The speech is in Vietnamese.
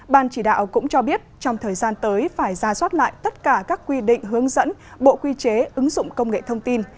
ban chỉ đạo cũng cho biết trong thời gian tới phải ra soát lại tất cả các quy định hướng dẫn bộ quy chế ứng dụng công nghệ thông tin